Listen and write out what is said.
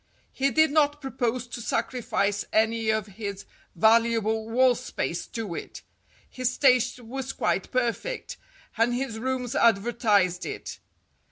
He did not propose to sacrifice any of his valuable wall space to it. His taste was quite perfect, and his rooms advertised it.